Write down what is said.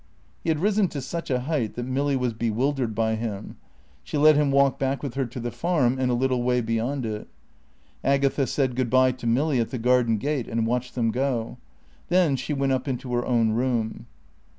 He had risen to such a height that Milly was bewildered by him. She let him walk back with her to the Farm and a little way beyond it. Agatha said good bye to Milly at the garden gate and watched them go. Then she went up into her own room.